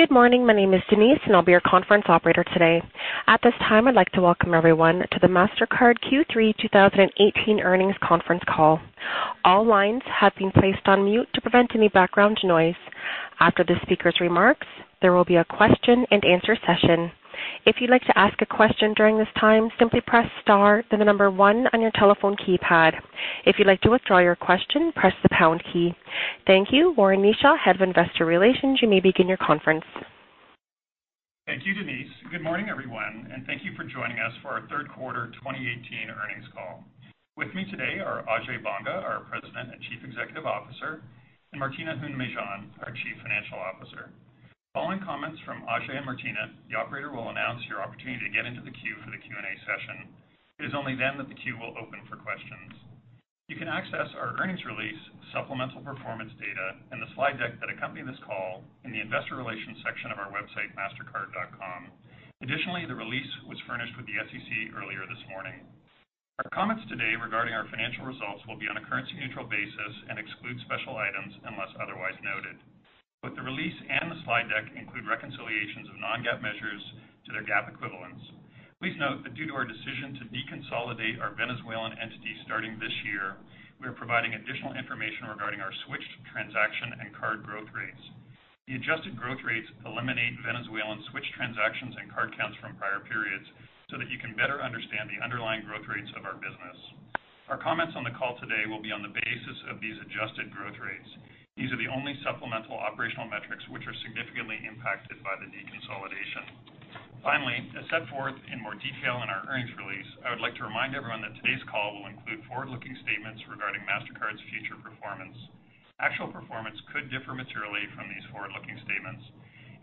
Good morning. My name is Denise, and I'll be your conference operator today. At this time, I'd like to welcome everyone to the Mastercard Q3 2018 earnings conference call. All lines have been placed on mute to prevent any background noise. After the speaker's remarks, there will be a question and answer session. If you'd like to ask a question during this time, simply press star, then the number 1 on your telephone keypad. If you'd like to withdraw your question, press the pound key. Thank you. Warren Kneeshaw, Head of Investor Relations, you may begin your conference. Thank you, Denise. Good morning, everyone, and thank you for joining us for our third quarter 2018 earnings call. With me today are Ajay Banga, our President and Chief Executive Officer, and Martina Hund-Mejean, our Chief Financial Officer. Following comments from Ajay and Martina, the operator will announce your opportunity to get into the queue for the Q&A session. It is only then that the queue will open for questions. You can access our earnings release, supplemental performance data, and the slide deck that accompany this call in the investor relations section of our website, mastercard.com. Additionally, the release was furnished with the SEC earlier this morning. Our comments today regarding our financial results will be on a currency-neutral basis and exclude special items unless otherwise noted. Both the release and the slide deck include reconciliations of non-GAAP measures to their GAAP equivalents. Please note that due to our decision to deconsolidate our Venezuelan entity starting this year, we are providing additional information regarding our switched transaction and card growth rates. The adjusted growth rates eliminate Venezuelan switched transactions and card counts from prior periods so that you can better understand the underlying growth rates of our business. Our comments on the call today will be on the basis of these adjusted growth rates. These are the only supplemental operational metrics which are significantly impacted by the deconsolidation. Finally, as set forth in more detail in our earnings release, I would like to remind everyone that today's call will include forward-looking statements regarding Mastercard's future performance. Actual performance could differ materially from these forward-looking statements.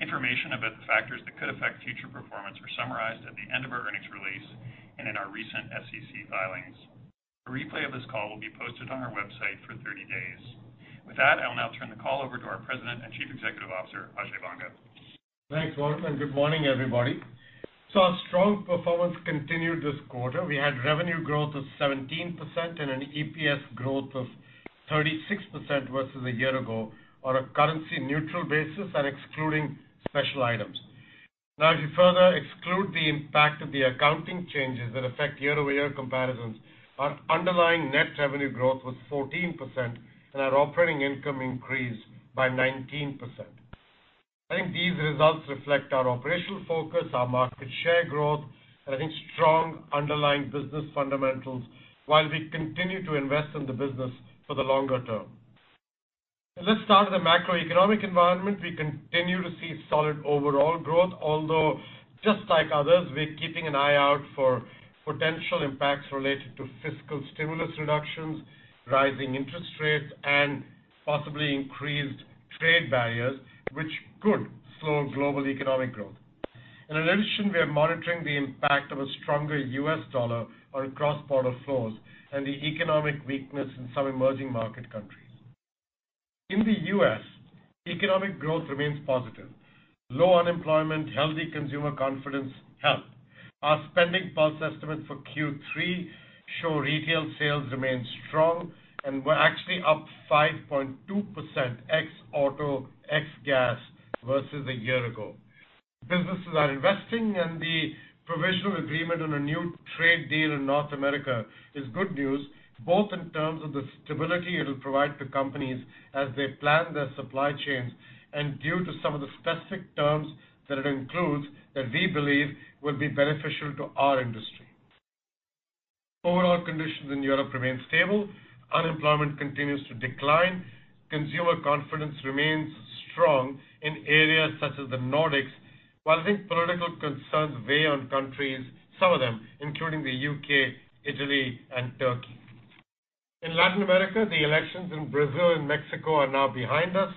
Information about the factors that could affect future performance are summarized at the end of our earnings release and in our recent SEC filings. A replay of this call will be posted on our website for 30 days. With that, I'll now turn the call over to our President and Chief Executive Officer, Ajay Banga. Thanks, Warren, and good morning, everybody. Our strong performance continued this quarter. We had revenue growth of 17% and an EPS growth of 36% versus a year ago on a currency-neutral basis and excluding special items. If you further exclude the impact of the accounting changes that affect year-over-year comparisons, our underlying net revenue growth was 14% and our operating income increased by 19%. I think these results reflect our operational focus, our market share growth, and I think strong underlying business fundamentals while we continue to invest in the business for the longer term. Let's start with the macroeconomic environment. We continue to see solid overall growth, although just like others, we're keeping an eye out for potential impacts related to fiscal stimulus reductions, rising interest rates, and possibly increased trade barriers, which could slow global economic growth. In addition, we are monitoring the impact of a stronger U.S. dollar on cross-border flows and the economic weakness in some emerging market countries. In the U.S., economic growth remains positive. Low unemployment, healthy consumer confidence help. Our SpendingPulse estimate for Q3 show retail sales remain strong and were actually up 5.2% ex-auto, ex-gas versus a year ago. Businesses are investing and the provisional agreement on a new trade deal in North America is good news, both in terms of the stability it'll provide to companies as they plan their supply chains and due to some of the specific terms that it includes that we believe will be beneficial to our industry. Overall conditions in Europe remain stable. Unemployment continues to decline. Consumer confidence remains strong in areas such as the Nordics, while I think political concerns weigh on countries, some of them, including the U.K., Italy, and Turkey. In Latin America, the elections in Brazil and Mexico are now behind us,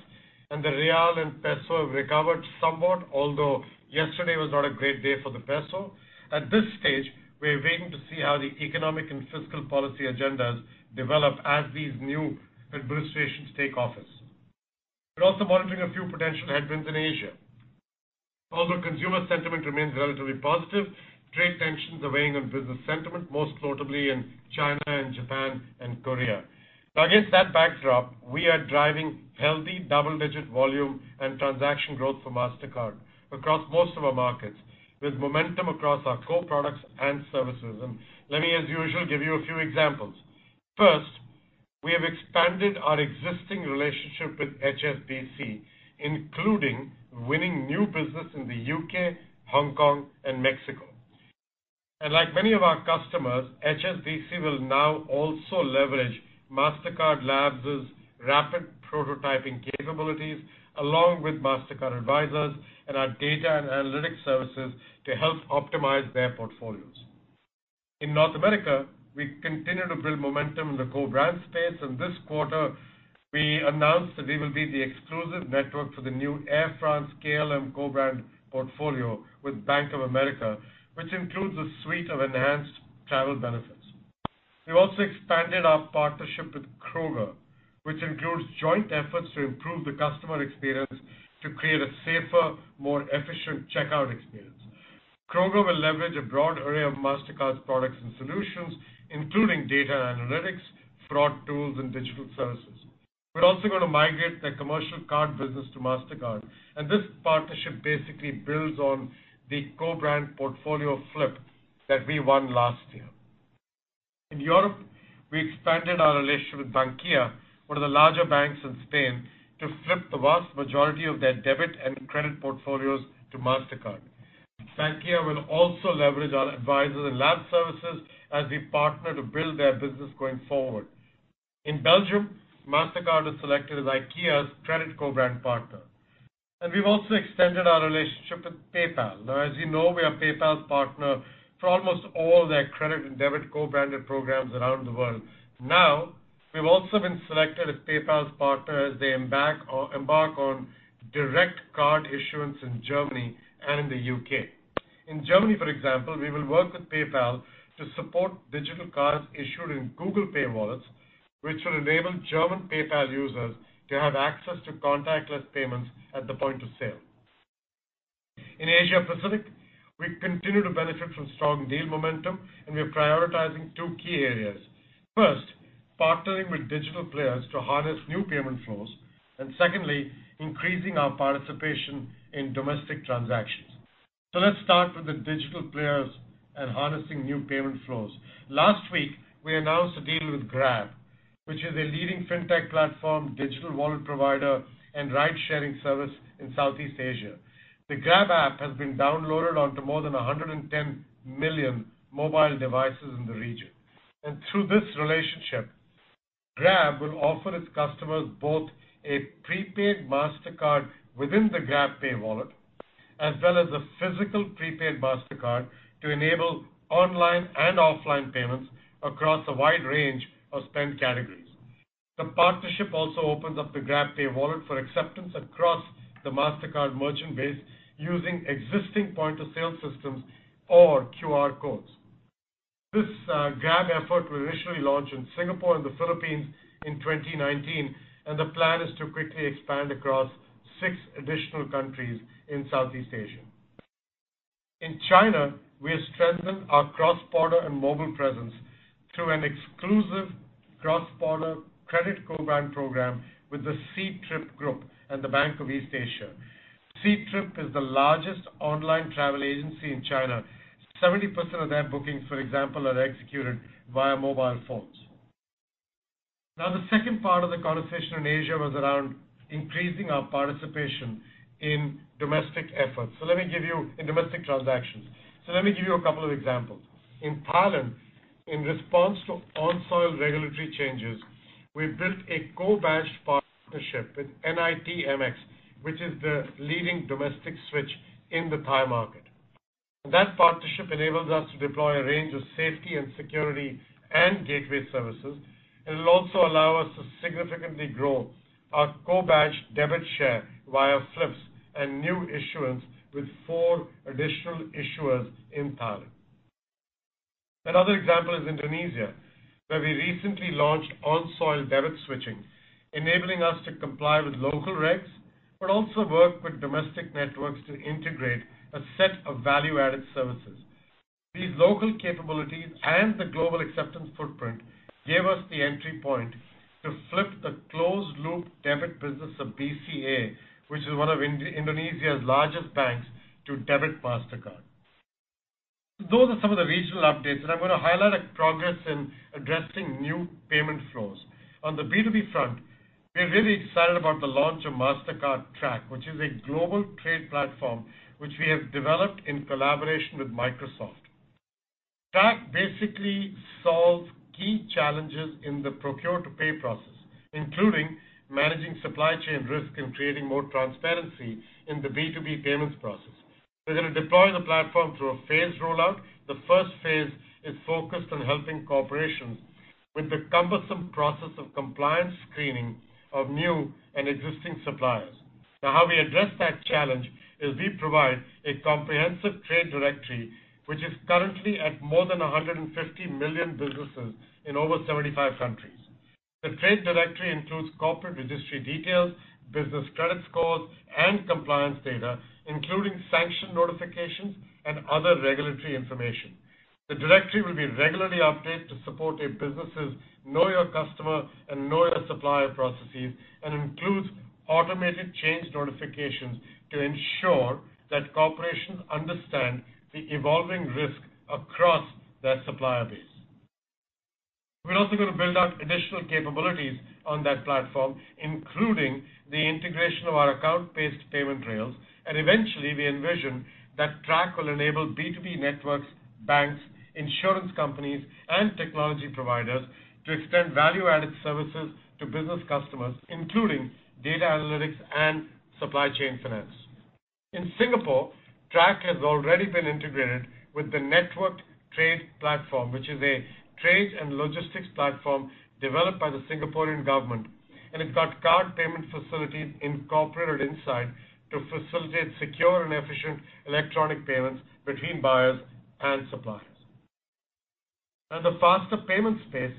and the real and peso have recovered somewhat, although yesterday was not a great day for the peso. At this stage, we are waiting to see how the economic and fiscal policy agendas develop as these new administrations take office. We're also monitoring a few potential headwinds in Asia. Although consumer sentiment remains relatively positive, trade tensions are weighing on business sentiment, most notably in China and Japan and Korea. Against that backdrop, we are driving healthy double-digit volume and transaction growth for Mastercard across most of our markets with momentum across our core products and services. Let me, as usual, give you a few examples. First, we have expanded our existing relationship with HSBC, including winning new business in the U.K., Hong Kong, and Mexico. Like many of our customers, HSBC will now also leverage Mastercard Labs' rapid prototyping capabilities along with Mastercard Advisors and our data and analytics services to help optimize their portfolios. In North America, we continue to build momentum in the co-brand space and this quarter we announced that we will be the exclusive network for the new Air France-KLM co-brand portfolio with Bank of America, which includes a suite of enhanced travel benefits. We also expanded our partnership with Kroger, which includes joint efforts to improve the customer experience to create a safer, more efficient checkout experience. Kroger will leverage a broad array of Mastercard's products and solutions, including data analytics, fraud tools, and digital services. We're also going to migrate their commercial card business to Mastercard, this partnership basically builds on the co-brand portfolio flip that we won last year. In Europe, we expanded our relationship with Bankia, one of the larger banks in Spain, to flip the vast majority of their debit and credit portfolios to Mastercard. Bankia will also leverage our Mastercard Advisors and Mastercard Labs services as we partner to build their business going forward. In Belgium, Mastercard is selected as IKEA's credit co-brand partner. We've also extended our relationship with PayPal. As you know, we are PayPal's partner for almost all their credit and debit co-branded programs around the world. We've also been selected as PayPal's partner as they embark on direct card issuance in Germany and in the U.K. In Germany, for example, we will work with PayPal to support digital cards issued in Google Pay wallets, which will enable German PayPal users to have access to contactless payments at the point of sale. In Asia Pacific, we continue to benefit from strong deal momentum. We are prioritizing two key areas. First, partnering with digital players to harness new payment flows, and secondly, increasing our participation in domestic transactions. Let's start with the digital players and harnessing new payment flows. Last week, we announced a deal with Grab, which is a leading fintech platform, digital wallet provider, and ride-sharing service in Southeast Asia. The Grab app has been downloaded onto more than 110 million mobile devices in the region. Through this relationship, Grab will offer its customers both a prepaid Mastercard within the GrabPay wallet, as well as a physical prepaid Mastercard to enable online and offline payments across a wide range of spend categories. The partnership also opens up the GrabPay wallet for acceptance across the Mastercard merchant base using existing point-of-sale systems or QR codes. This Grab effort will initially launch in Singapore and the Philippines in 2019. The plan is to quickly expand across six additional countries in Southeast Asia. In China, we have strengthened our cross-border and mobile presence through an exclusive cross-border credit co-brand program with the Ctrip Group and the Bank of East Asia. Ctrip is the largest online travel agency in China. 70% of their bookings, for example, are executed via mobile phones. The second part of the conversation in Asia was around increasing our participation in domestic efforts. Let me give you a couple of examples in domestic transactions. In Thailand, in response to on-soil regulatory changes, we built a co-badged partnership with ITMX, which is the leading domestic switch in the Thai market. That partnership enables us to deploy a range of safety and security and gateway services. It will also allow us to significantly grow our co-badged debit share via flips and new issuance with four additional issuers in Thailand. Another example is Indonesia, where we recently launched on-soil debit switching, enabling us to comply with local regs, but also work with domestic networks to integrate a set of value-added services. These local capabilities and the global acceptance footprint gave us the entry point to flip the closed-loop debit business of BCA, which is one of Indonesia's largest banks, to debit Mastercard. Those are some of the regional updates. I'm going to highlight progress in addressing new payment flows. On the B2B front, we are really excited about the launch of Mastercard Track, which is a global trade platform which we have developed in collaboration with Microsoft. Track basically solves key challenges in the procure-to-pay process, including managing supply chain risk and creating more transparency in the B2B payments process. We're going to deploy the platform through a phased rollout. The first phase is focused on helping corporations with the cumbersome process of compliance screening of new and existing suppliers. Now, how we address that challenge is we provide a comprehensive trade directory, which is currently at more than 150 million businesses in over 75 countries. The trade directory includes corporate registry details, business credit scores, and compliance data, including sanction notifications and other regulatory information. The directory will be regularly updated to support a business' know your customer and know your supplier processes and includes automated change notifications to ensure that corporations understand the evolving risk across their supplier base. We're also going to build out additional capabilities on that platform, including the integration of our account-based payment rails. Eventually, we envision that Track will enable B2B networks, banks, insurance companies, and technology providers to extend value-added services to business customers, including data analytics and supply chain finance. In Singapore, Track has already been integrated with the Networked Trade Platform, which is a trade and logistics platform developed by the Singaporean government. It's got card payment facilities incorporated inside to facilitate secure and efficient electronic payments between buyers and suppliers. In the faster payment space,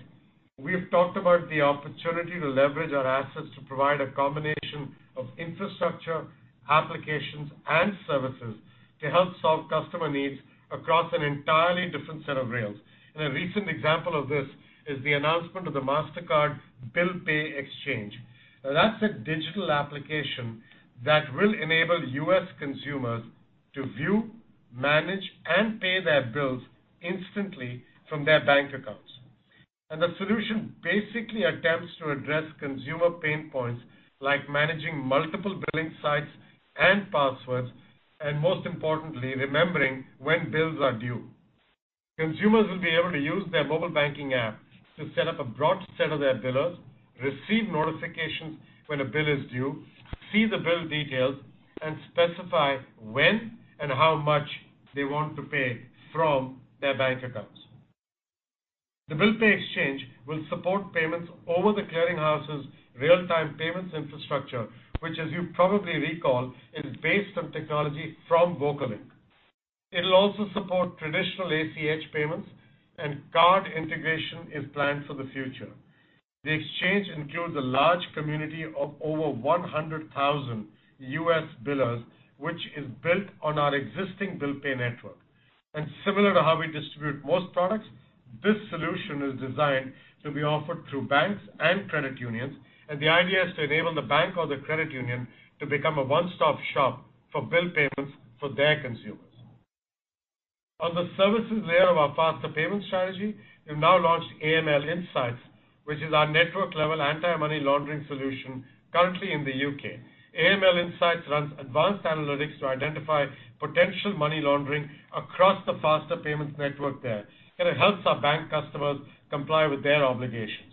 we have talked about the opportunity to leverage our assets to provide a combination of infrastructure, applications, and services to help solve customer needs across an entirely different set of rails. A recent example of this is the announcement of the Mastercard Bill Pay Exchange. Now, that's a digital application that will enable U.S. consumers to view, manage, and pay their bills instantly from their bank accounts. The solution basically attempts to address consumer pain points like managing multiple billing sites and passwords, and most importantly, remembering when bills are due. Consumers will be able to use their mobile banking app to set up a broad set of their billers, receive notifications when a bill is due, see the bill details, and specify when and how much they want to pay from their bank accounts. The Bill Pay Exchange will support payments over the clearing house's real-time payments infrastructure, which as you probably recall, is based on technology from Vocalink. It'll also support traditional ACH payments, and card integration is planned for the future. The exchange includes a large community of over 100,000 U.S. billers, which is built on our existing bill pay network. Similar to how we distribute most products, this solution is designed to be offered through banks and credit unions, and the idea is to enable the bank or the credit union to become a one-stop-shop for bill payments for their consumers. On the services layer of our faster payment strategy, we've now launched AML Insights, which is our network-level anti-money laundering solution currently in the U.K. AML Insights runs advanced analytics to identify potential money laundering across the faster payments network there, and it helps our bank customers comply with their obligations.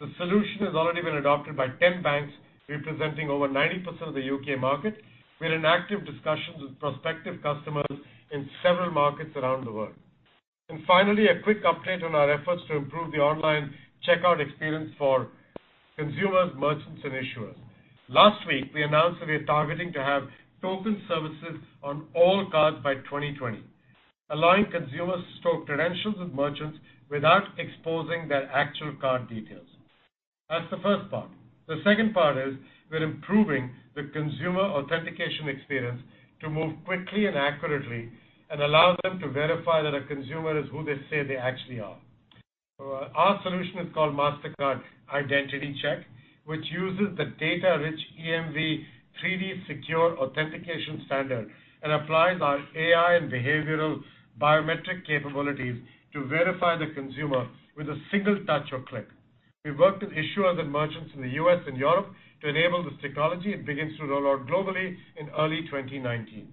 The solution has already been adopted by 10 banks, representing over 90% of the U.K. market. We're in active discussions with prospective customers in several markets around the world. Finally, a quick update on our efforts to improve the online checkout experience for consumers, merchants, and issuers. Last week, we announced that we're targeting to have token services on all cards by 2020, allowing consumers to store credentials with merchants without exposing their actual card details. That's the first part. The second part is we're improving the consumer authentication experience to move quickly and accurately and allow them to verify that a consumer is who they say they actually are. Our solution is called Mastercard Identity Check, which uses the data-rich EMV 3-D Secure authentication standard and applies our AI and behavioral biometric capabilities to verify the consumer with a single touch or click. We've worked with issuers and merchants in the U.S. and Europe to enable this technology. It begins to roll out globally in early 2019.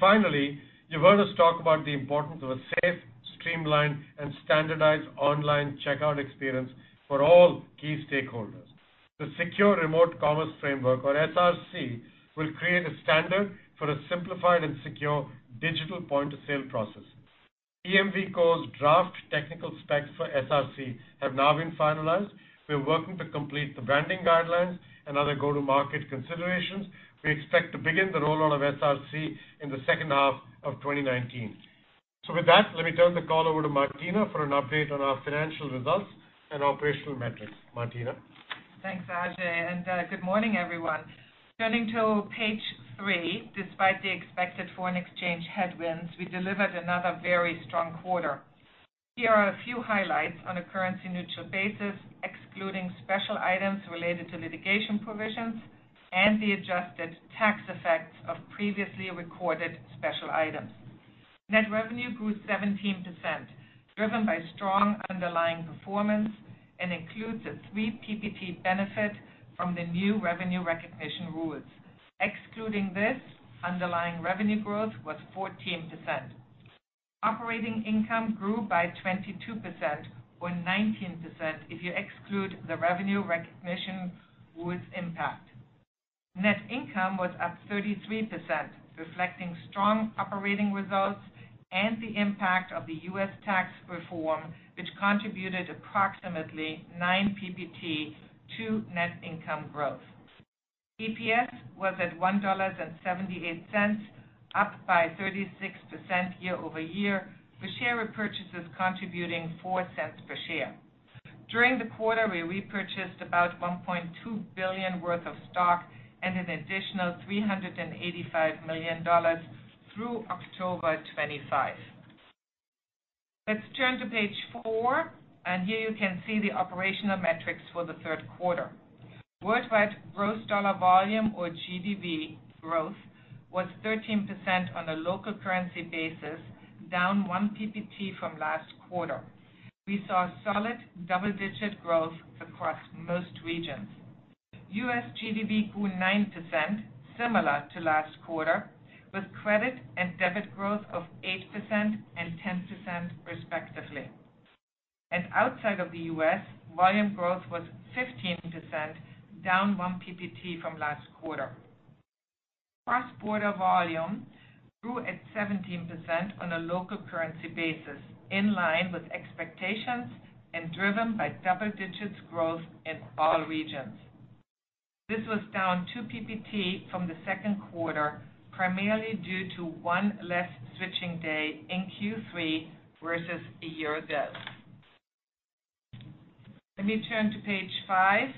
Finally, you've heard us talk about the importance of a safe, streamlined, and standardized online checkout experience for all key stakeholders. The Secure Remote Commerce framework, or SRC, will create a standard for a simplified and secure digital point-of-sale process. EMVCo's draft technical specs for SRC have now been finalized. We're working to complete the branding guidelines and other go-to-market considerations. We expect to begin the roll-out of SRC in the second half of 2019. With that, let me turn the call over to Martina for an update on our financial results and operational metrics. Martina? Thanks, Ajay, and good morning, everyone. Turning to page three, despite the expected foreign exchange headwinds, we delivered another very strong quarter. Here are a few highlights on a currency-neutral basis, excluding special items related to litigation provisions and the adjusted tax effects of previously recorded special items. Net revenue grew 17%, driven by strong underlying performance and includes a three PPT benefit from the new revenue recognition rules. Excluding this, underlying revenue growth was 14%. Operating income grew by 22%, or 19% if you exclude the revenue recognition rules impact. Net income was up 33%, reflecting strong operating results and the impact of the U.S. tax reform, which contributed approximately nine PPT to net income growth. EPS was at $1.78, up by 36% year-over-year, with share repurchases contributing $0.04 per share. During the quarter, we repurchased about $1.2 billion worth of stock and an additional $385 million through October 25. Let's turn to page four, and here you can see the operational metrics for the third quarter. Worldwide gross dollar volume or GDV growth was 13% on a local currency basis, down one PPT from last quarter. We saw solid double-digit growth across most regions. U.S. GDV grew 9%, similar to last quarter, with credit and debit growth of 8% and 10%, respectively. Outside of the U.S., volume growth was 15%, down one PPT from last quarter. Cross-border volume grew at 17% on a local currency basis, in line with expectations and driven by double-digit growth in all regions. This was down 2 PPT from the second quarter, primarily due to one less switching day in Q3 versus a year ago. Let me turn to page five.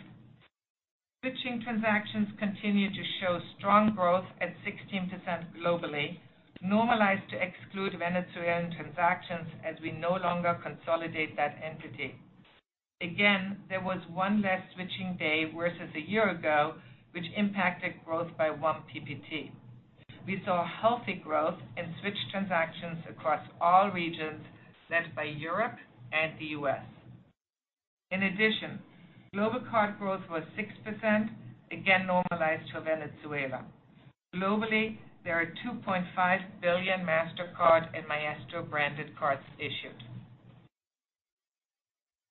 Switching transactions continue to show strong growth at 16% globally, normalized to exclude Venezuelan transactions as we no longer consolidate that entity. Again, there was one less switching day versus a year ago, which impacted growth by one PPT. We saw healthy growth in switch transactions across all regions, led by Europe and the U.S. In addition, global card growth was 6%, again normalized to Venezuela. Globally, there are 2.5 billion Mastercard and Maestro branded cards issued.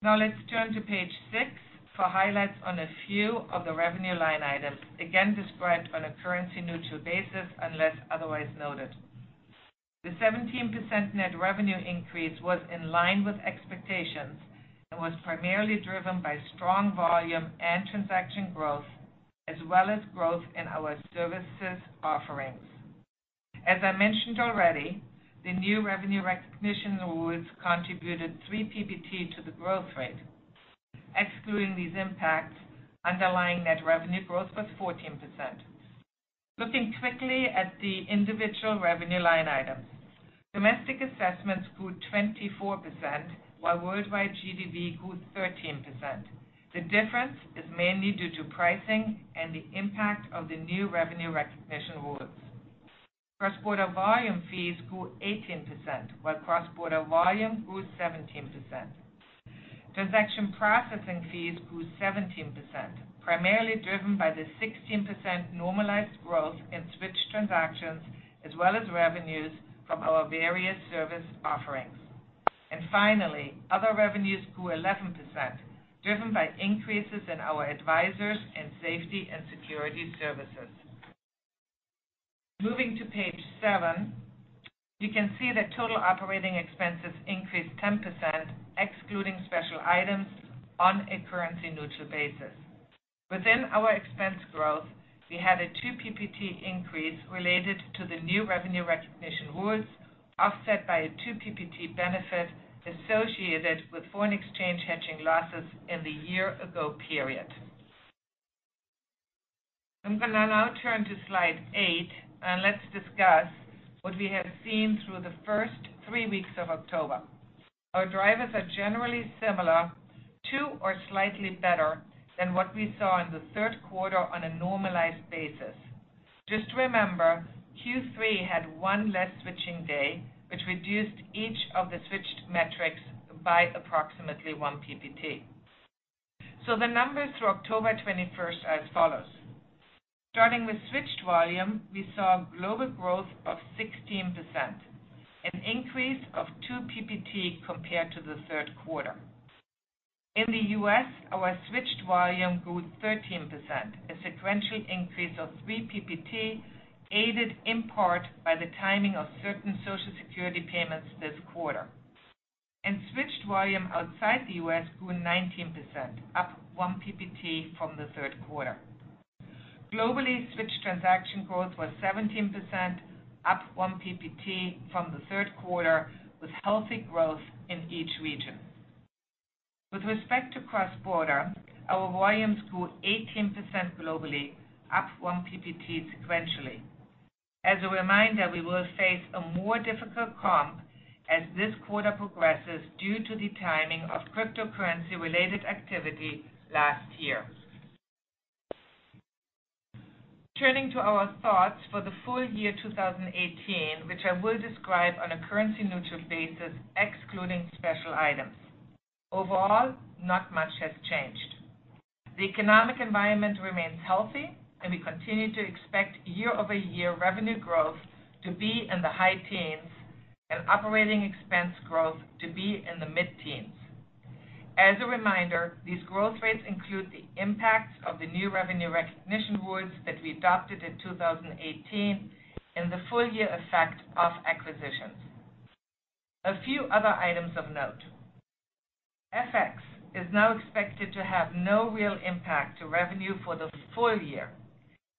Now let's turn to page six for highlights on a few of the revenue line items, again described on a currency-neutral basis unless otherwise noted. The 17% net revenue increase was in line with expectations and was primarily driven by strong volume and transaction growth, as well as growth in our services offerings. As I mentioned already, the new revenue recognition rules contributed three PPT to the growth rate. Excluding these impacts, underlying net revenue growth was 14%. Looking quickly at the individual revenue line items. Domestic assessments grew 24%, while worldwide GDV grew 13%. The difference is mainly due to pricing and the impact of the new revenue recognition rules. Cross-border volume fees grew 18%, while cross-border volume grew 17%. Transaction processing fees grew 17%, primarily driven by the 16% normalized growth in switch transactions, as well as revenues from our various service offerings. Finally, other revenues grew 11%, driven by increases in our advisors and safety and security services. Moving to page seven, you can see that total operating expenses increased 10%, excluding special items, on a currency-neutral basis. Within our expense growth, we had a two PPT increase related to the new revenue recognition rules, offset by a two PPT benefit associated with foreign exchange hedging losses in the year-ago period. I'm going to now turn to slide eight, let's discuss what we have seen through the first three weeks of October. Our drivers are generally similar to or slightly better than what we saw in the third quarter on a normalized basis. Just remember, Q3 had one less switching day, which reduced each of the switched metrics by approximately one PPT. The numbers through October 21st are as follows. Starting with switched volume, we saw global growth of 16%, an increase of two PPT compared to the third quarter. In the U.S., our switched volume grew 13%, a sequential increase of three PPT, aided in part by the timing of certain Social Security payments this quarter. Switched volume outside the U.S. grew 19%, up one PPT from the third quarter. Globally, switched transaction growth was 17%, up one percentage point from the third quarter, with healthy growth in each region. With respect to cross-border, our volumes grew 18% globally, up one percentage point sequentially. As a reminder, we will face a more difficult comp as this quarter progresses due to the timing of cryptocurrency-related activity last year. Turning to our thoughts for the full year 2018, which I will describe on a currency-neutral basis excluding special items. Overall, not much has changed. The economic environment remains healthy, and we continue to expect year-over-year revenue growth to be in the high teens and operating expense growth to be in the mid-teens. As a reminder, these growth rates include the impacts of the new revenue recognition rules that we adopted in 2018 and the full year effect of acquisitions. A few other items of note. FX is now expected to have no real impact to revenue for the full year,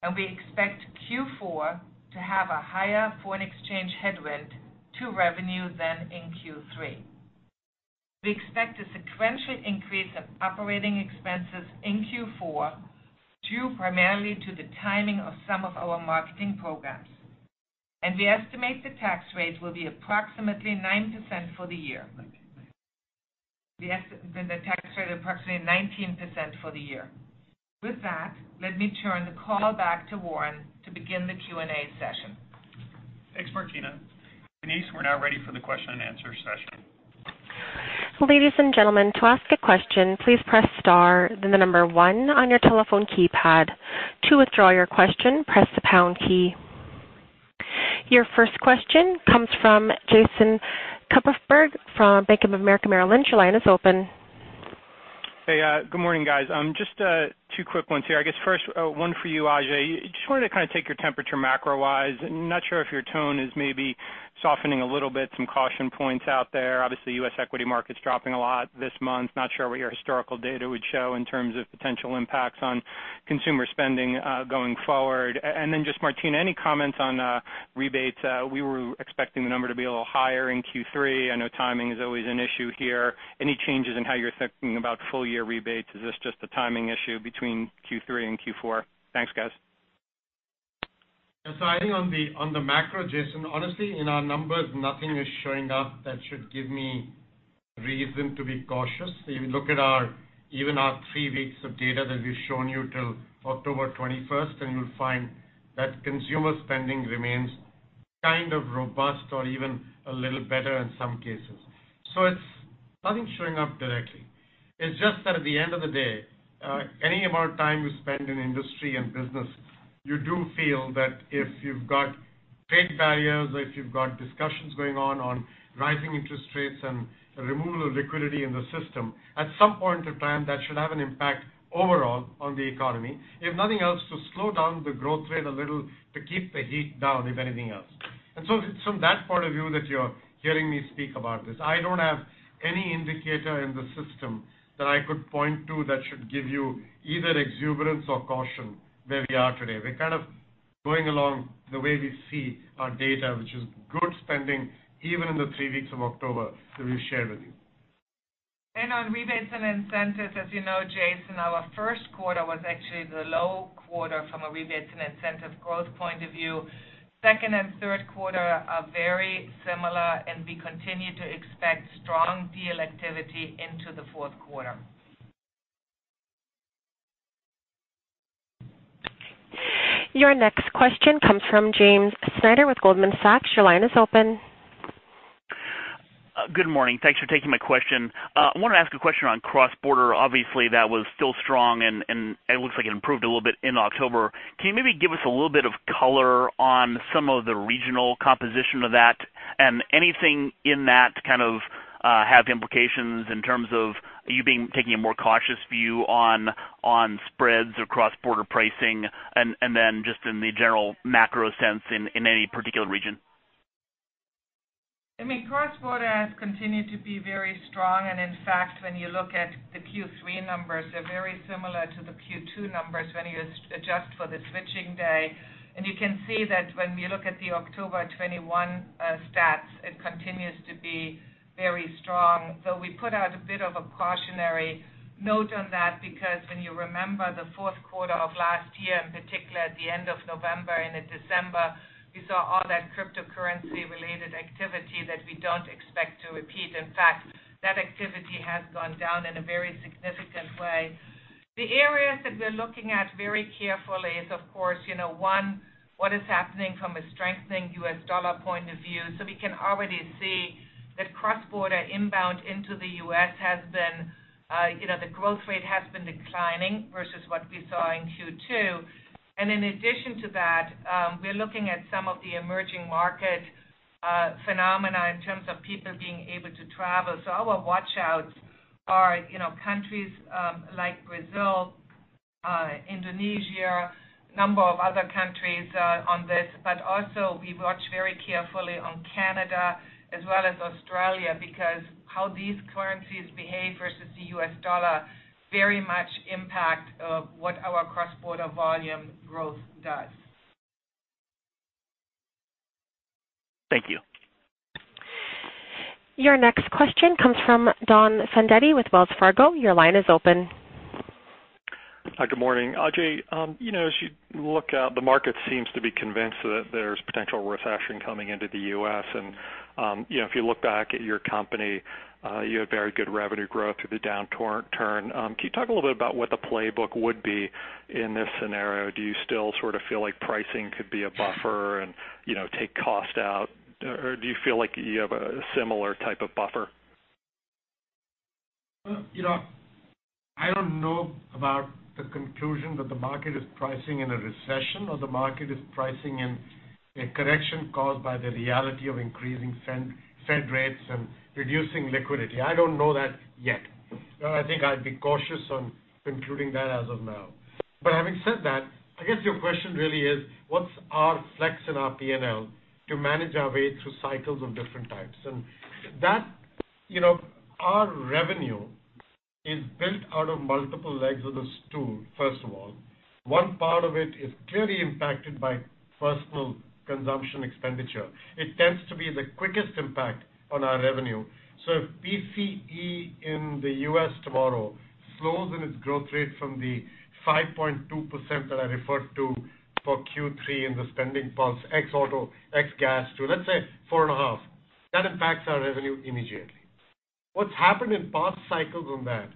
and we expect Q4 to have a higher foreign exchange headwind to revenue than in Q3. We expect a sequential increase of operating expenses in Q4 due primarily to the timing of some of our marketing programs. We estimate the tax rate will be approximately 9% for the year. The tax rate approximately 19% for the year. With that, let me turn the call back to Warren to begin the Q&A session. Thanks, Martina. Denise, we're now ready for the question and answer session. Ladies and gentlemen, to ask a question, please press star then the number one on your telephone keypad. To withdraw your question, press the pound key. Your first question comes from Jason Kupferberg from Bank of America Merrill Lynch. Your line is open. Hey, good morning, guys. Just two quick ones here. I guess first, one for you, Ajay. Just wanted to take your temperature macro-wise. Not sure if your tone is maybe softening a little bit, some caution points out there. Obviously, U.S. equity market's dropping a lot this month. Not sure what your historical data would show in terms of potential impacts on consumer spending going forward. Just Martina, any comments on rebates? We were expecting the number to be a little higher in Q3. I know timing is always an issue here. Any changes in how you're thinking about full-year rebates? Is this just a timing issue between Q3 and Q4? Thanks, guys. I think on the macro, Jason Kupferberg, honestly, in our numbers, nothing is showing up that should give me reason to be cautious. If you look at even our three weeks of data that we've shown you till October 21st, you'll find that consumer spending remains kind of robust or even a little better in some cases. It's nothing showing up directly. It's just that at the end of the day, any of our time we spend in industry and business, you do feel that if you've got trade barriers, or if you've got discussions going on rising interest rates and removal of liquidity in the system, at some point of time, that should have an impact overall on the economy. If nothing else, to slow down the growth rate a little, to keep the heat down, if anything else. It's from that point of view that you're hearing me speak about this. I don't have any indicator in the system that I could point to that should give you either exuberance or caution where we are today. We're kind of going along the way we see our data, which is good spending, even in the three weeks of October that we shared with you. On rebates and incentives, as you know, Jason Kupferberg, our first quarter was actually the low quarter from a rebates and incentives growth point of view. Second and third quarter are very similar, and we continue to expect strong deal activity into the fourth quarter. Your next question comes from James Schneider with Goldman Sachs. Your line is open. Good morning. Thanks for taking my question. I want to ask a question on cross-border. Obviously, that was still strong, and it looks like it improved a little bit in October. Can you maybe give us a little bit of color on some of the regional composition of that? Anything in that kind of have implications in terms of are you taking a more cautious view on spreads or cross-border pricing? Just in the general macro sense in any particular region? I mean, cross-border has continued to be very strong. In fact, when you look at the Q3 numbers, they're very similar to the Q2 numbers when you adjust for the switching day. You can see that when we look at the October 21 stats, it continues to be very strong. Though we put out a bit of a cautionary note on that because when you remember the fourth quarter of last year, in particular at the end of November into December, we saw all that cryptocurrency-related activity that we don't expect to repeat. In fact, that activity has gone down in a very significant way. The areas that we're looking at very carefully is, of course, one, what is happening from a strengthening U.S. dollar point of view. We can already see that cross-border inbound into the U.S., the growth rate has been declining versus what we saw in Q2. In addition to that, we're looking at some of the emerging market phenomena in terms of people being able to travel. Our watch-outs are countries like Brazil, Indonesia, a number of other countries on this. Also we watch very carefully on Canada as well as Australia because how these currencies behave versus the U.S. dollar very much impact what our cross-border volume growth does. Thank you. Your next question comes from Don Fandetti with Wells Fargo. Your line is open. Hi, good morning. Ajay, as you look out, the market seems to be convinced that there's potential recession coming into the U.S. If you look back at your company, you had very good revenue growth through the downturn. Can you talk a little bit about what the playbook would be in this scenario? Do you still sort of feel like pricing could be a buffer and take cost out? Do you feel like you have a similar type of buffer? I don't know about the conclusion that the market is pricing in a recession or the market is pricing in a correction caused by the reality of increasing Fed rates and reducing liquidity. I don't know that yet. I think I'd be cautious on concluding that as of now. Having said that, I guess your question really is, what's our flex in our P&L to manage our way through cycles of different types? Our revenue is built out of multiple legs of the stool, first of all. One part of it is clearly impacted by personal consumption expenditure. It tends to be the quickest impact on our revenue. If PCE in the U.S. tomorrow slows in its growth rate from the 5.2% that I referred to for Q3 in the SpendingPulse, ex auto, ex gas, to let's say 4.5%, that impacts our revenue immediately. What's happened in past cycles on that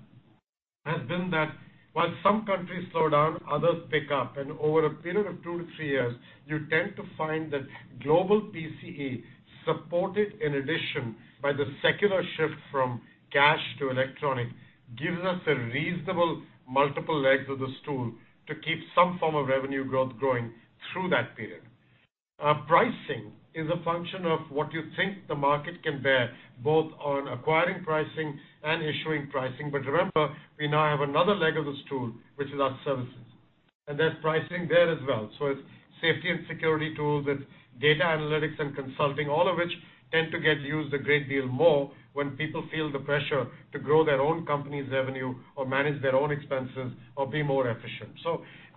has been that while some countries slow down, others pick up, and over a period of two to three years, you tend to find that global PCE, supported in addition by the secular shift from cash to electronic, gives us a reasonable multiple legs of the stool to keep some form of revenue growth growing through that period. Pricing is a function of what you think the market can bear, both on acquiring pricing and issuing pricing. Remember, we now have another leg of the stool, which is our services, and there's pricing there as well. It's safety and security tools, it's data analytics and consulting, all of which tend to get used a great deal more when people feel the pressure to grow their own company's revenue or manage their own expenses or be more efficient.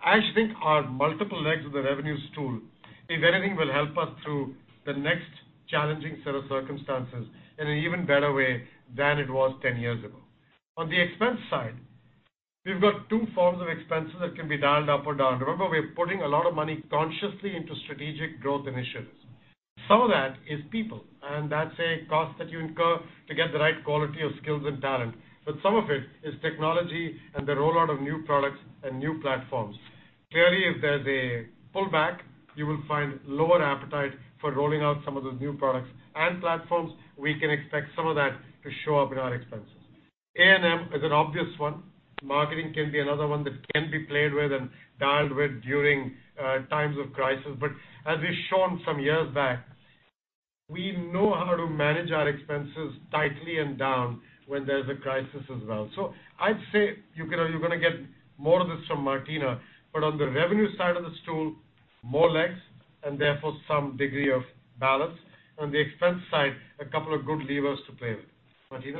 I think our multiple legs of the revenue stool, if anything, will help us through the next challenging set of circumstances in an even better way than it was 10 years ago. On the expense side, we've got two forms of expenses that can be dialed up or down. Remember, we are putting a lot of money consciously into strategic growth initiatives. Some of that is people, and that's a cost that you incur to get the right quality of skills and talent. Some of it is technology and the rollout of new products and new platforms. Clearly, if there's a pullback, you will find lower appetite for rolling out some of those new products and platforms. We can expect some of that to show up in our expenses. A&M is an obvious one. Marketing can be another one that can be played with and dialed with during times of crisis. As we've shown some years back, we know how to manage our expenses tightly and down when there's a crisis as well. I'd say you're going to get more of this from Martina. On the revenue side of the stool, more legs and therefore some degree of balance. On the expense side, a couple of good levers to play with. Martina?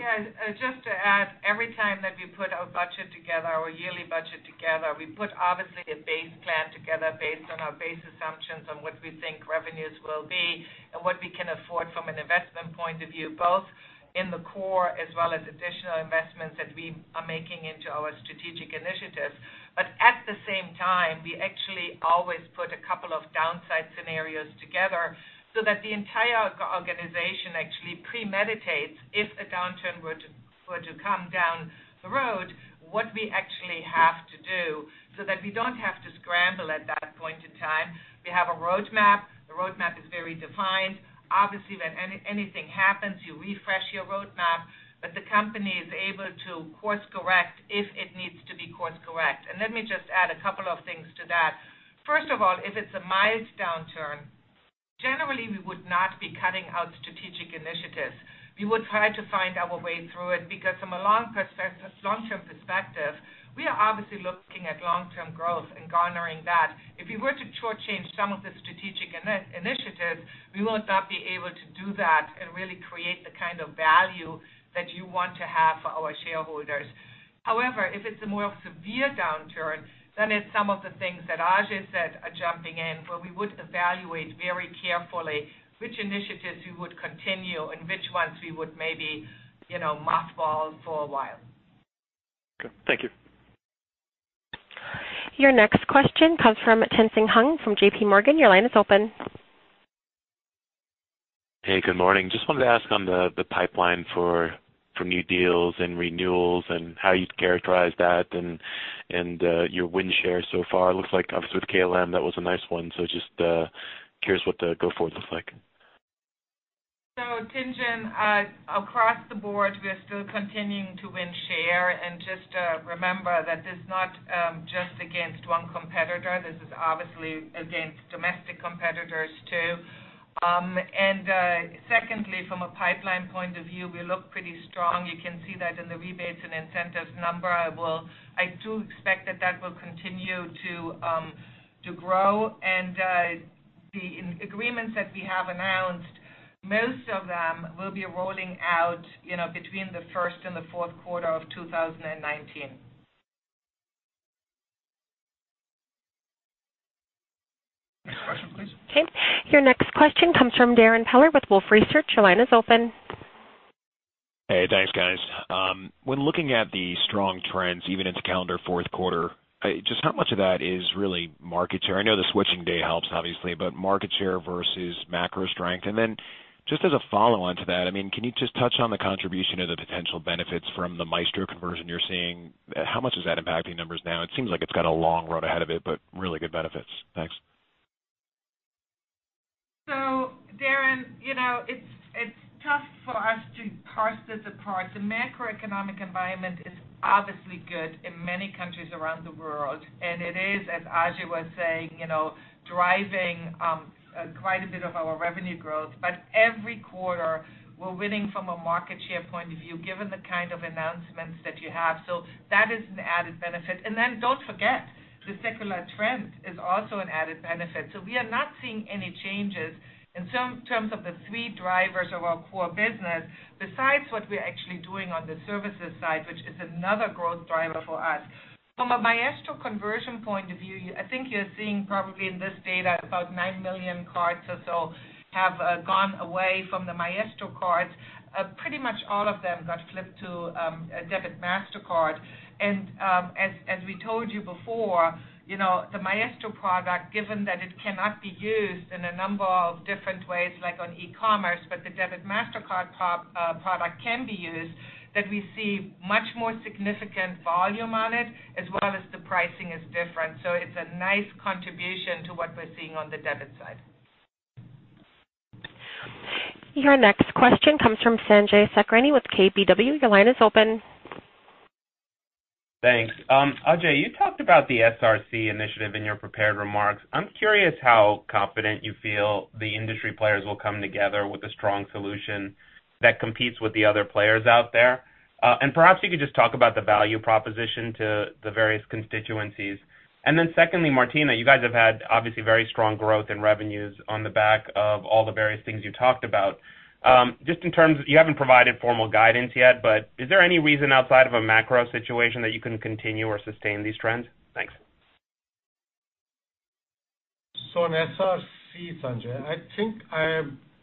Just to add, every time that we put our budget together, our yearly budget together, we put obviously a base plan together based on our base assumptions on what we think revenues will be and what we can afford from an investment point of view, both in the core as well as additional investments that we are making into our strategic initiatives. At the same time, we actually always put a couple of downside scenarios together so that the entire organization actually premeditates if a downturn were to come down the road, what we actually have to do so that we don't have to scramble at that point in time. We have a roadmap. The roadmap is very defined. Obviously, when anything happens, you refresh your roadmap, the company is able to course-correct if it needs to be course-correct. Let me just add a couple of things to that. First of all, if it's a mild downturn, generally, we would not be cutting our strategic initiatives. We would try to find our way through it because from a long-term perspective, we are obviously looking at long-term growth and garnering that. If we were to shortchange some of the strategic initiatives, we will not be able to do that and really create the kind of value that you want to have for our shareholders. If it's a more severe downturn, then it's some of the things that Ajay said are jumping in, where we would evaluate very carefully which initiatives we would continue and which ones we would maybe mothball for a while. Okay. Thank you. Your next question comes from Tien-tsin Huang from J.P. Morgan. Your line is open. Hey, good morning. Just wanted to ask on the pipeline for new deals and renewals and how you'd characterize that and your win share so far. It looks like, obviously with KLM, that was a nice one. Just curious what the go-forward looks like. Tsin, across the board, we are still continuing to win share. Just remember that this is not just against one competitor. This is obviously against domestic competitors, too. Secondly, from a pipeline point of view, we look pretty strong. You can see that in the rebates and incentives number. I do expect that that will continue to grow. The agreements that we have announced, most of them will be rolling out between the first and the fourth quarter of 2019. Next question, please. Okay. Your next question comes from Darrin Peller with Wolfe Research. Your line is open. Hey, thanks, guys. When looking at the strong trends, even into calendar fourth quarter, just how much of that is really market share? I know the switching day helps, obviously, but market share versus macro strength. Then just as a follow-on to that, can you just touch on the contribution or the potential benefits from the Maestro conversion you're seeing? How much is that impacting numbers now? It seems like it's got a long road ahead of it, but really good benefits. Thanks. Darrin, it's tough for us to parse this apart. The macroeconomic environment is obviously good in many countries around the world, and it is, as Ajay was saying, driving quite a bit of our revenue growth. Every quarter, we're winning from a market share point of view, given the kind of announcements that you have. That is an added benefit. Don't forget, the secular trend is also an added benefit. We are not seeing any changes in terms of the three drivers of our core business, besides what we're actually doing on the services side, which is another growth driver for us. From a Maestro conversion point of view, I think you're seeing probably in this data about 9 million cards or so have gone away from the Maestro cards. Pretty much all of them got flipped to a debit Mastercard. As we told you before, the Maestro product, given that it cannot be used in a number of different ways, like on e-commerce, but the debit Mastercard product can be used, that we see much more significant volume on it as well as the pricing is different. It's a nice contribution to what we're seeing on the debit side. Your next question comes from Sanjay Sakhrani with KBW. Your line is open. Thanks. Ajay, you talked about the SRC initiative in your prepared remarks. I am curious how confident you feel the industry players will come together with a strong solution that competes with the other players out there. Perhaps you could just talk about the value proposition to the various constituencies. Secondly, Martina, you guys have had obviously very strong growth in revenues on the back of all the various things you talked about. You haven't provided formal guidance yet, but is there any reason outside of a macro situation that you can continue or sustain these trends? Thanks. On SRC, Sanjay, I think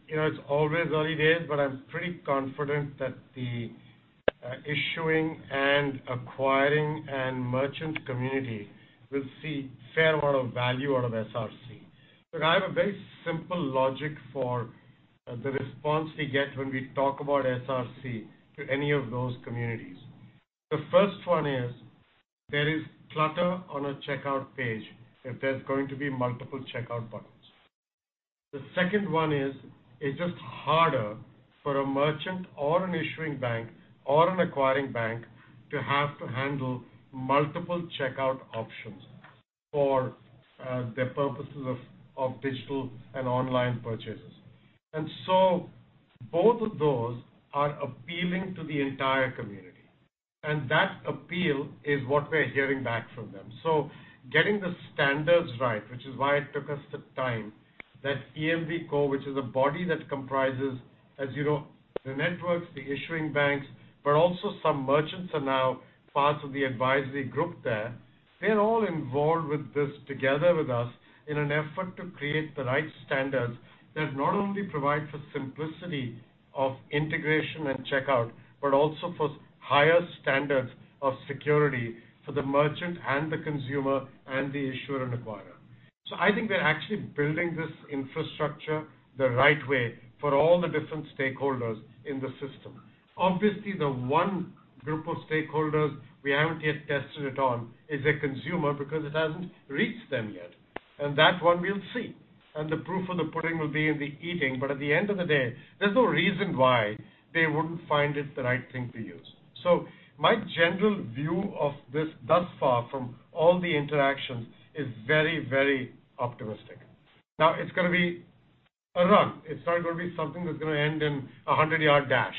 it's always early days, but I'm pretty confident that the issuing and acquiring and merchant community will see a fair amount of value out of SRC. Look, I have a very simple logic for the response we get when we talk about SRC to any of those communities. The first one is there is clutter on a checkout page if there's going to be multiple checkout buttons. The second one is it's just harder for a merchant or an issuing bank or an acquiring bank to have to handle multiple checkout options for the purposes of digital and online purchases. Both of those are appealing to the entire community, and that appeal is what we're hearing back from them. Getting the standards right, which is why it took us the time, that EMVCo, which is a body that comprises, as you know, the networks, the issuing banks, but also some merchants are now part of the advisory group there. They're all involved with this together with us in an effort to create the right standards that not only provide for simplicity of integration and checkout, but also for higher standards of security for the merchant and the consumer and the issuer and acquirer. I think we're actually building this infrastructure the right way for all the different stakeholders in the system. Obviously, the one group of stakeholders we haven't yet tested it on is the consumer because it hasn't reached them yet. That one we'll see. The proof of the pudding will be in the eating, but at the end of the day, there's no reason why they wouldn't find it the right thing to use. My general view of this thus far from all the interactions is very optimistic. Now, it's going to be a run. It's not going to be something that's going to end in 100-yard dash.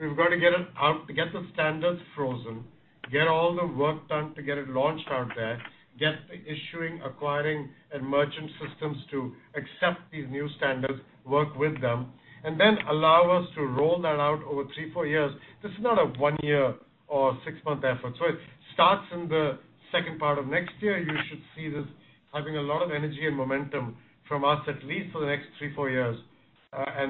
We've got to get the standards frozen, get all the work done to get it launched out there, get the issuing, acquiring, and merchant systems to accept these new standards, work with them, and then allow us to roll that out over three, four years. This is not a one-year or six-month effort. It starts in the second part of next year. You should see this having a lot of energy and momentum from us at least for the next three, four years,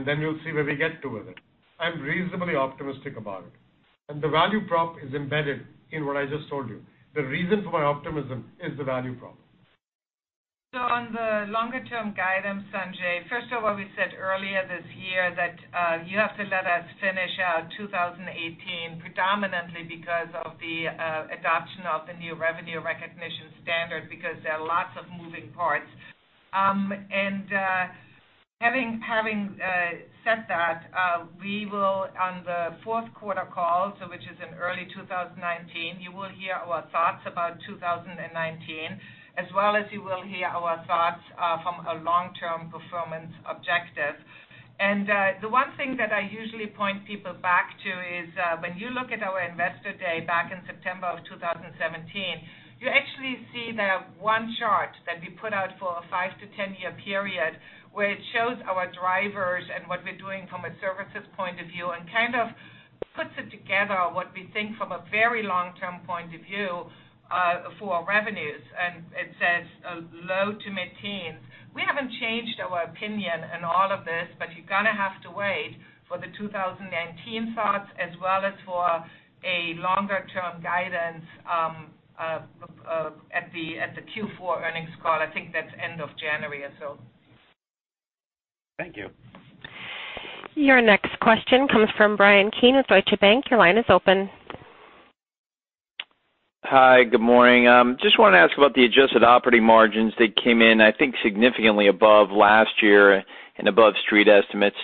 then you'll see where we get to with it. I'm reasonably optimistic about it. The value prop is embedded in what I just told you. The reason for my optimism is the value prop. On the longer-term guidance, Sanjay, first of all, we said earlier this year that you have to let us finish out 2018 predominantly because of the adoption of the new revenue recognition standard because there are lots of moving parts. Having said that, we will on the fourth quarter call, which is in early 2019, you will hear our thoughts about 2019 as well as you will hear our thoughts from a long-term performance objective. The one thing that I usually point people back to is when you look at our investor day back in September of 2017, you actually see the one chart that we put out for a 5-10-year period where it shows our drivers and what we are doing from a services point of view and kind of puts it together what we think from a very long-term point of view for revenues, and it says low to mid-teens. We haven't changed our opinion in all of this, but you are going to have to wait for the 2019 thoughts as well as for a longer-term guidance at the Q4 earnings call. I think that is end of January or so. Thank you. Your next question comes from Bryan Keane with Deutsche Bank. Your line is open. Hi. Good morning. Just want to ask about the adjusted operating margins that came in, I think, significantly above last year and above street estimates.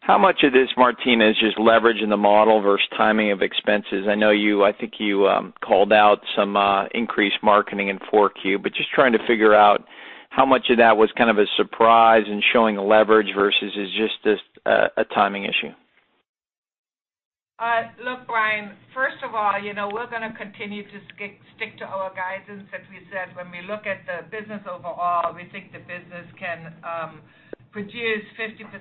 How much of this, Martina, is just leverage in the model versus timing of expenses? I think you called out some increased marketing in 4Q, but just trying to figure out how much of that was kind of a surprise in showing leverage versus is just a timing issue. Look, Bryan, first of all, we're going to continue to stick to our guidance since we said when we look at the business overall, we think the business can produce 50%+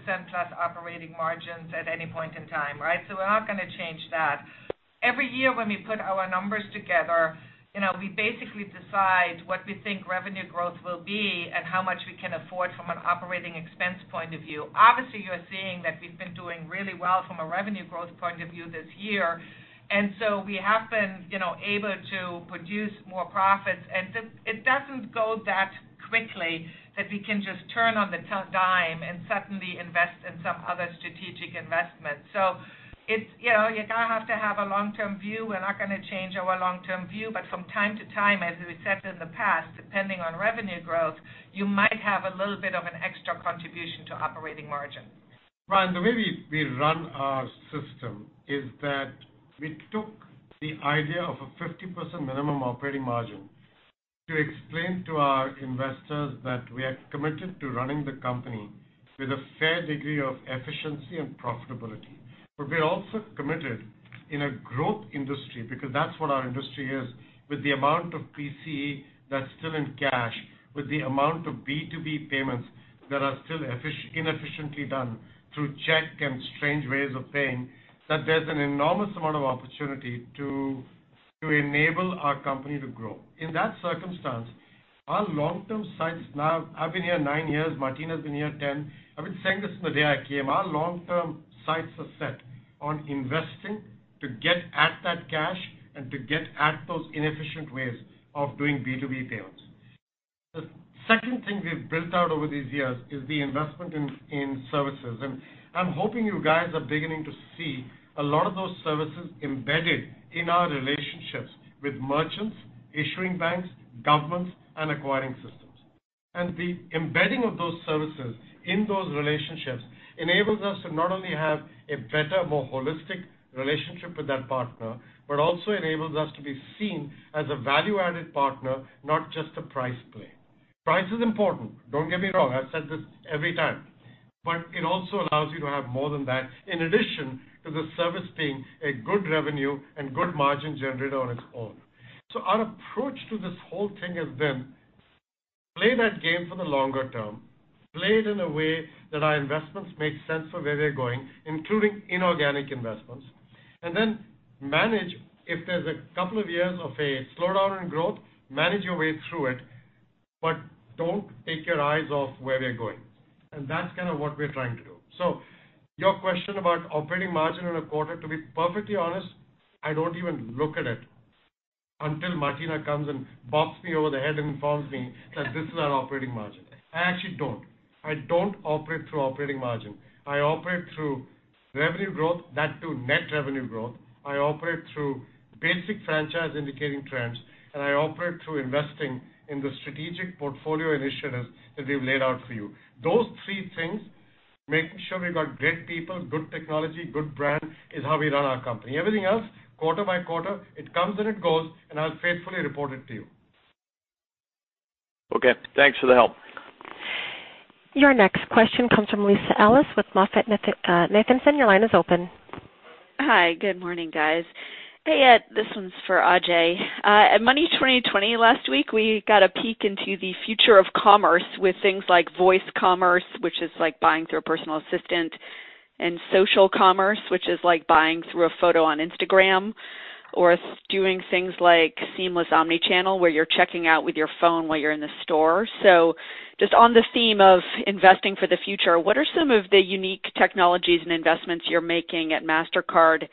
operating margins at any point in time, right? We're not going to change that. Every year when we put our numbers together, we basically decide what we think revenue growth will be and how much we can afford from an operating expense point of view. Obviously, you are seeing that we've been doing really well from a revenue growth point of view this year, we have been able to produce more profits and it doesn't go that quickly that we can just turn on the dime and suddenly invest in some other strategic investment. You're going to have to have a long-term view. We're not going to change our long-term view, from time to time, as we said in the past, depending on revenue growth, you might have a little bit of an extra contribution to operating margin. The way we run our system is that we took the idea of a 50% minimum operating margin to explain to our investors that we are committed to running the company with a fair degree of efficiency and profitability. We're also committed in a growth industry, because that's what our industry is, with the amount of PCE that's still in cash, with the amount of B2B payments that are still inefficiently done through check and strange ways of paying, that there's an enormous amount of opportunity to enable our company to grow. In that circumstance, our long-term sights now, I've been here nine years, Martina has been here 10. I've been saying this from the day I came. Our long-term sights are set on investing to get at that cash and to get at those inefficient ways of doing B2B payments. The second thing we've built out over these years is the investment in services. I'm hoping you guys are beginning to see a lot of those services embedded in our relationships with merchants, issuing banks, governments, and acquiring systems. The embedding of those services in those relationships enables us to not only have a better, more holistic relationship with that partner, but also enables us to be seen as a value-added partner, not just a price play. Price is important. Don't get me wrong, I've said this every time. It also allows you to have more than that, in addition to the service being a good revenue and good margin generator on its own. Our approach to this whole thing has been play that game for the longer term, play it in a way that our investments make sense for where we're going, including inorganic investments. Manage if there's a couple of years of a slowdown in growth, manage your way through it, but don't take your eyes off where we're going. That's kind of what we're trying to do. Your question about operating margin in a quarter, to be perfectly honest, I don't even look at it until Martina comes and bops me over the head and informs me that this is our operating margin. I actually don't. I don't operate through operating margin. I operate through revenue growth, that too net revenue growth. I operate through basic franchise indicating trends, and I operate through investing in the strategic portfolio initiatives that we've laid out for you. Those three things, making sure we've got great people, good technology, good brand, is how we run our company. Everything else, quarter by quarter, it comes and it goes, and I'll faithfully report it to you. Okay. Thanks for the help. Your next question comes from Lisa Ellis with MoffettNathanson. Your line is open. Hi, good morning, guys. Hey, this one's for Ajay. At Money20/20 last week, we got a peek into the future of commerce with things like voice commerce, which is like buying through a personal assistant, and social commerce, which is like buying through a photo on Instagram, or doing things like seamless omni-channel, where you're checking out with your phone while you're in the store. Just on the theme of investing for the future, what are some of the unique technologies and investments you're making at Mastercard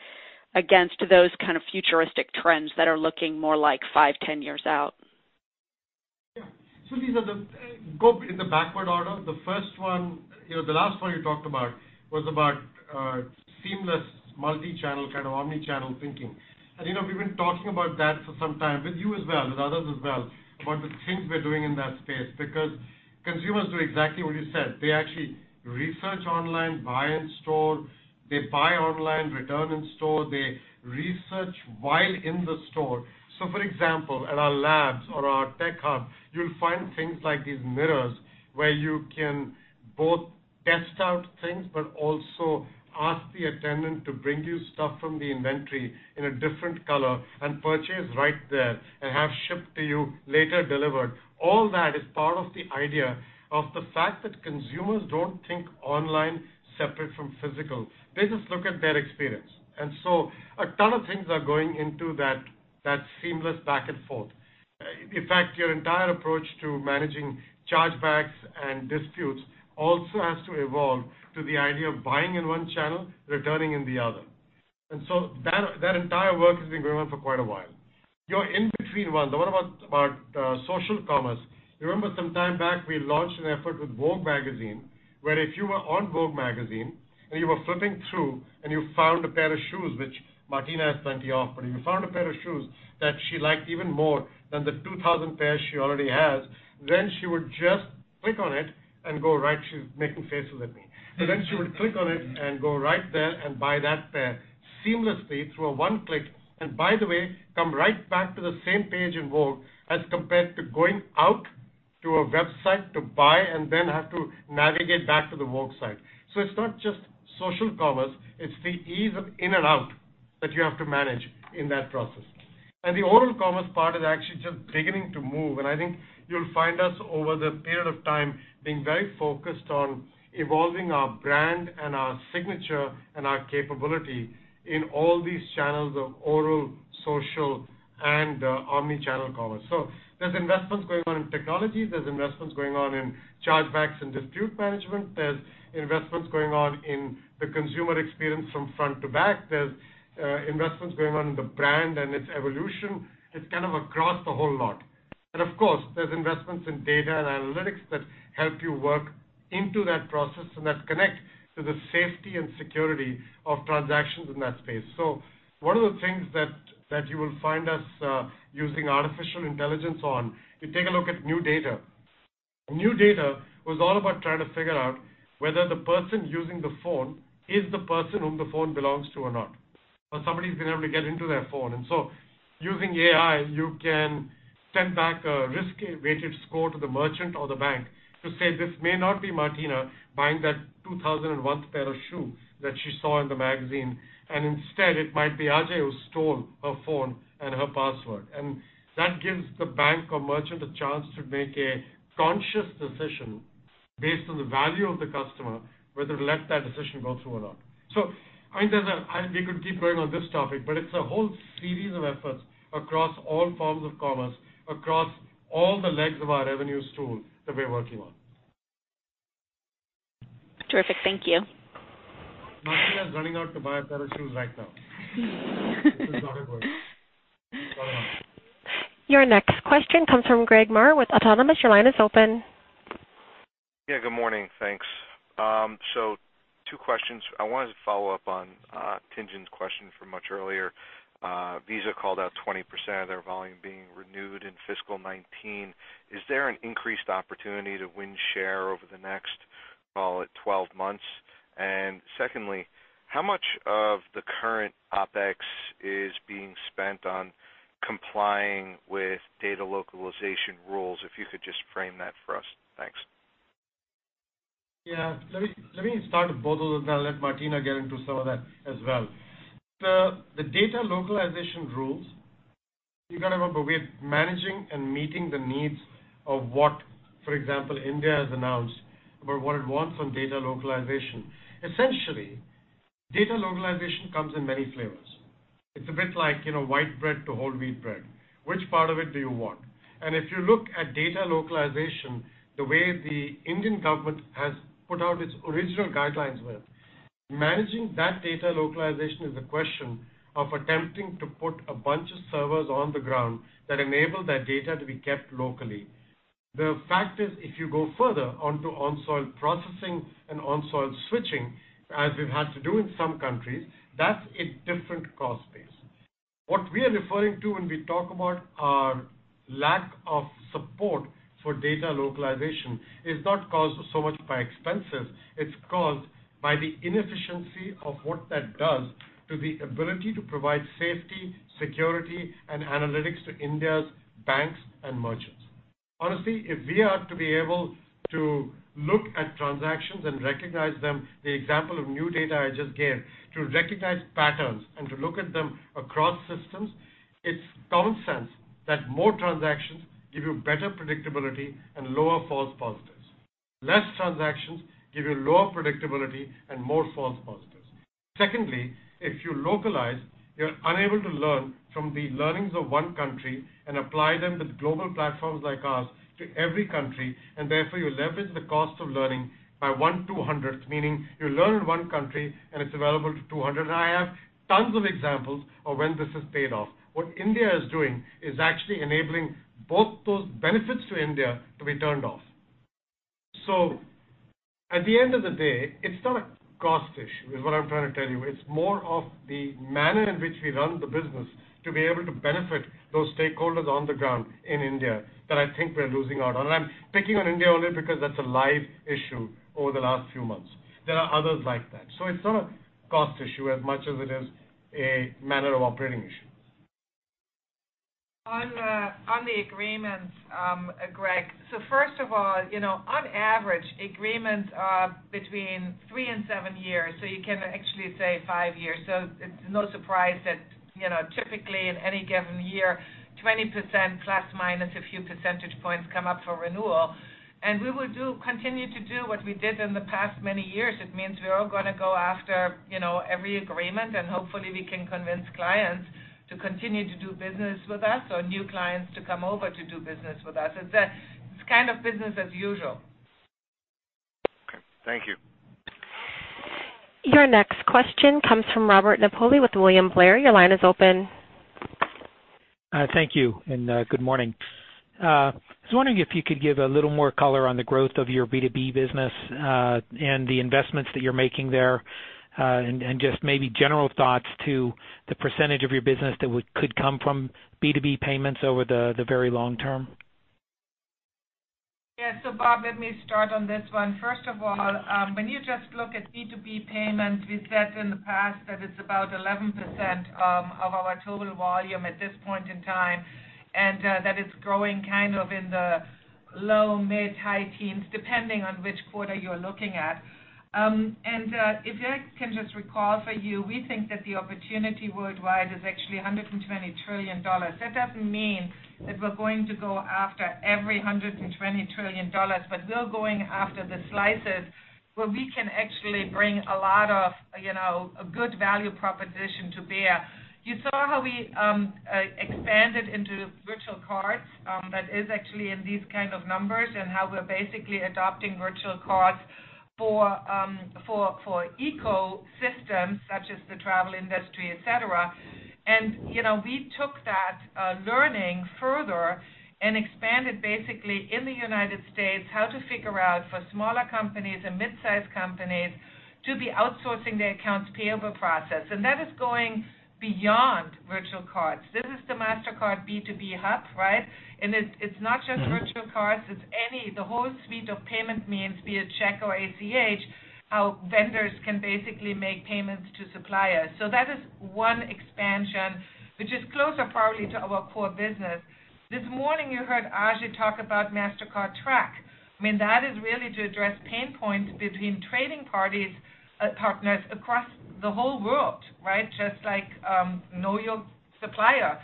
against those kind of futuristic trends that are looking more like five, 10 years out? Go in the backward order. The last one you talked about was about seamless multi-channel kind of omni-channel thinking. We've been talking about that for some time with you as well, with others as well, about the things we're doing in that space because consumers do exactly what you said. They actually research online, buy in store. They buy online, return in store. They research while in the store. For example, at our labs or our tech hub, you'll find things like these mirrors where you can both test out things but also ask the attendant to bring you stuff from the inventory in a different color and purchase right there and have shipped to you later delivered. All that is part of the idea of the fact that consumers don't think online separate from physical. They just look at their experience. A ton of things are going into that seamless back and forth. In fact, your entire approach to managing chargebacks and disputes also has to evolve to the idea of buying in one channel, returning in the other. That entire work has been going on for quite a while. Your in-between one, the one about social commerce. You remember some time back, we launched an effort with Vogue where if you were on Vogue and you were flipping through and you found a pair of shoes, which Martina has plenty of, but you found a pair of shoes that she liked even more than the 2,000 pairs she already has. She would just click on it. She's making faces at me. She would click on it and go right there and buy that pair seamlessly through a one click. By the way, come right back to the same page in Vogue as compared to going out to a website to buy and then have to navigate back to the Vogue site. It's not just social commerce. The oral commerce part is actually just beginning to move. I think you'll find us over the period of time being very focused on evolving our brand and our signature and our capability in all these channels of oral, social, and omni-channel commerce. There's investments going on in technology. There's investments going on in chargebacks and dispute management. There's investments going on in the consumer experience from front to back. There's investments going on in the brand and its evolution. It's kind of across the whole lot. Of course, there's investments in data and analytics that help you work into that process and that connect to the safety and security of transactions in that space. One of the things that you will find us using artificial intelligence on, you take a look at NuData. NuData was all about trying to figure out whether the person using the phone is the person whom the phone belongs to or not, or somebody's been able to get into their phone. Using AI, you can send back a risk-weighted score to the merchant or the bank to say, "This may not be Martina buying that 2,001 pair of shoe that she saw in the magazine, and instead it might be Ajay who stole her phone and her password." That gives the bank or merchant a chance to make a conscious decision based on the value of the customer, whether to let that decision go through or not. I mean, we could keep going on this topic, but it's a whole series of efforts across all forms of commerce, across all the legs of our revenue stool that we're working on. Terrific. Thank you. Martina is running out to buy a pair of shoes right now. This is how it works. Right on. Your next question comes from Craig Maurer with Autonomous Research. Your line is open. Yeah, good morning. Thanks. Two questions. I wanted to follow up on Tien-tsin's question from much earlier. Visa called out 20% of their volume being renewed in fiscal 2019. Is there an increased opportunity to win share over the next, call it, 12 months? Secondly, how much of the current OpEx is being spent on complying with data localization rules? If you could just frame that for us. Thanks. Yeah. Let me start with both of those, I'll let Martina get into some of that as well. The data localization rules, you got to remember, we're managing and meeting the needs of what, for example, India has announced about what it wants from data localization. Essentially, data localization comes in many flavors. It's a bit like white bread to whole wheat bread. Which part of it do you want? If you look at data localization, the way the Indian government has put out its original guidelines were, managing that data localization is a question of attempting to put a bunch of servers on the ground that enable that data to be kept locally. The fact is, if you go further onto on-soil processing and on-soil switching, as we've had to do in some countries, that's a different cost base. What we are referring to when we talk about our lack of support for data localization is not caused so much by expenses. It's caused by the inefficiency of what that does to the ability to provide safety, security, and analytics to India's banks and merchants. Honestly, if we are to be able to look at transactions and recognize them, the example of NuData I just gave, to recognize patterns and to look at them across systems, it's common sense that more transactions give you better predictability and lower false positives. Less transactions give you lower predictability and more false positives. Secondly, if you localize, you're unable to learn from the learnings of one country and apply them with global platforms like ours to every country, and therefore you leverage the cost of learning by 1/200, meaning you learn in one country and it's available to 200. I have tons of examples of when this has paid off. What India is doing is actually enabling both those benefits to India to be turned off. At the end of the day, it's not a cost issue, is what I'm trying to tell you. It's more of the manner in which we run the business to be able to benefit those stakeholders on the ground in India that I think we're losing out on. I'm picking on India only because that's a live issue over the last few months. There are others like that. It's not a cost issue as much as it is a manner of operating issue. On the agreements, Craig. First of all, on average, agreements are between three and seven years, so you can actually say five years. It's no surprise that typically in any given year, 20% plus minus a few percentage points come up for renewal. We will continue to do what we did in the past many years. It means we are going to go after every agreement and hopefully we can convince clients to continue to do business with us or new clients to come over to do business with us. It's kind of business as usual. Okay. Thank you. Your next question comes from Robert Napoli with William Blair. Your line is open. Thank you, and good morning. I was wondering if you could give a little more color on the growth of your B2B business and the investments that you're making there, and just maybe general thoughts to the % of your business that could come from B2B payments over the very long term. Yeah. Bob, let me start on this one. First of all, when you just look at B2B payments, we said in the past that it's about 11% of our total volume at this point in time, and that it's growing kind of in the low, mid, high teens, depending on which quarter you're looking at. If I can just recall for you, we think that the opportunity worldwide is actually $120 trillion. That doesn't mean that we're going to go after every $120 trillion, but we're going after the slices where we can actually bring a lot of a good value proposition to bear. You saw how we expanded into virtual cards, that is actually in these kind of numbers, and how we're basically adopting virtual cards for ecosystems such as the travel industry, et cetera. We took that learning further and expanded basically in the U.S., how to figure out for smaller companies and mid-size companies to be outsourcing their accounts payable process. That is going beyond virtual cards. This is the Mastercard B2B Hub. It's not just virtual cards, it's the whole suite of payment means, be it check or ACH, how vendors can basically make payments to suppliers. That is one expansion which is closer probably to our core business. This morning you heard Ajay talk about Mastercard Track. I mean, that is really to address pain points between trading partners across the whole world. Just like know your supplier.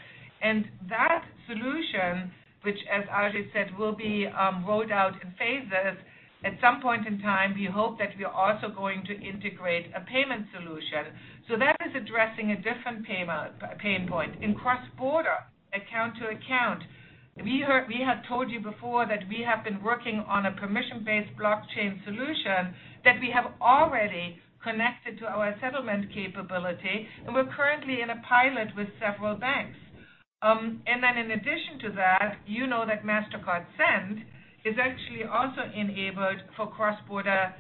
That solution, which as Ajay said, will be rolled out in phases. At some point in time, we hope that we're also going to integrate a payment solution. That is addressing a different pain point in cross-border account to account. We had told you before that we have been working on a permission-based blockchain solution that we have already connected to our settlement capability, and we're currently in a pilot with several banks. In addition to that, you know that Mastercard Send is actually also enabled for cross-border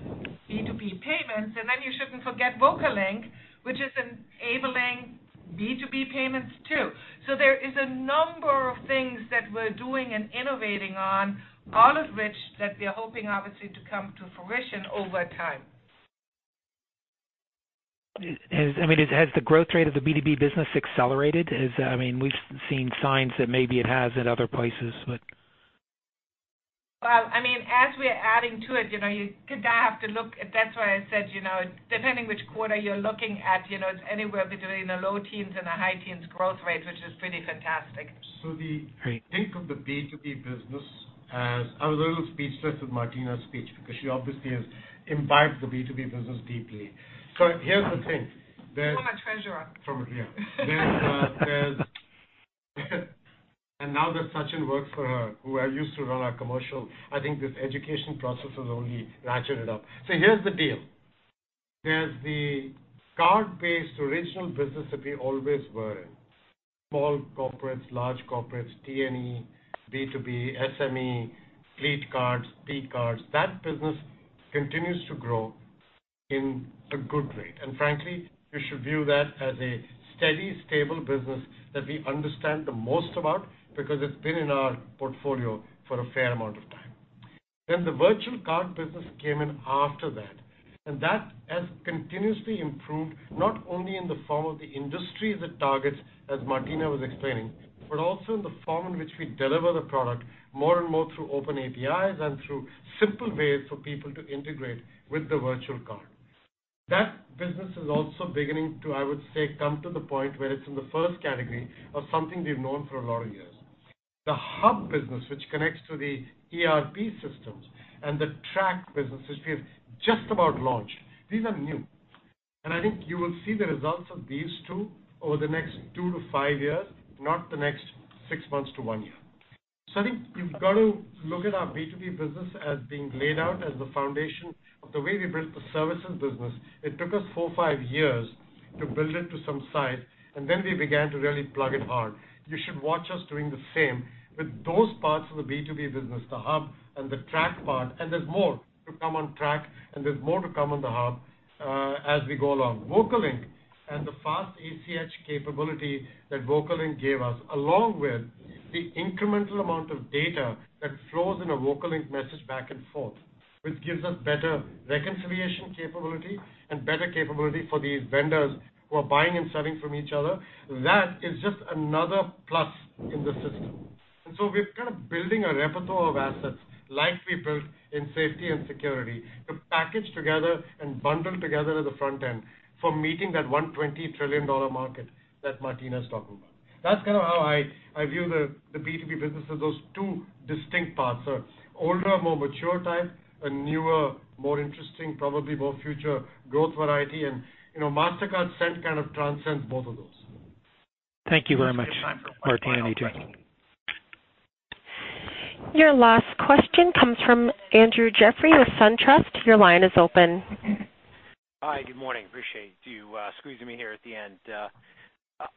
B2B payments. You shouldn't forget Vocalink, which is enabling B2B payments too. There is a number of things that we're doing and innovating on, all of which that we are hoping obviously to come to fruition over time. Has the growth rate of the B2B business accelerated? We've seen signs that maybe it has in other places, but Well, as we are adding to it, you kind of have to look at. That's why I said, depending which quarter you're looking at, it's anywhere between the low teens and the high teens growth rates, which is pretty fantastic. So the- Great. Think of the B2B business as, I was a little speechless with Martina's speech because she obviously has imbibed the B2B business deeply. Here's the thing, there's Former treasurer Former, yeah. Now that Sachin works for her, who used to run our commercial, I think this education process has only ratcheted up. Here's the deal. There's the card-based original business that we always were in. Small corporates, large corporates, T&E, B2B, SME, fleet cards, P-cards. That business continues to grow in a good rate. Frankly, you should view that as a steady, stable business that we understand the most about because it's been in our portfolio for a fair amount of time. The virtual card business came in after that, and that has continuously improved, not only in the form of the industries it targets, as Martina was explaining, but also in the form in which we deliver the product more and more through open APIs and through simple ways for people to integrate with the virtual card. That business is also beginning to, I would say, come to the point where it's in the first category of something we've known for a lot of years. The hub business, which connects to the ERP systems and the Mastercard Track business, which we have just about launched. These are new. I think you will see the results of these two over the next two to five years, not the next six months to one year. I think you've got to look at our B2B business as being laid out as the foundation of the way we built the services business. It took us four or five years to build it to some size, and then we began to really plug it hard. You should watch us doing the same with those parts of the B2B business, the hub and the Mastercard Track part. There's more to come on Mastercard Track, and there's more to come on the hub, as we go along. Vocalink and the fast ACH capability that Vocalink gave us, along with the incremental amount of data that flows in a Vocalink message back and forth, which gives us better reconciliation capability and better capability for these vendors who are buying and selling from each other. That is just another plus in the system. We're kind of building a repertoire of assets like we built in safety and security to package together and bundle together at the front end for meeting that $120 trillion market that Martina's talking about. That's kind of how I view the B2B business as those two distinct parts. Older, more mature type, a newer, more interesting, probably more future growth variety. Mastercard Send kind of transcends both of those. Thank you very much, Martina and Ajay. We have time for one final question. Your last question comes from Andrew Jeffrey with SunTrust. Your line is open. Hi. Good morning. Appreciate you squeezing me here at the end.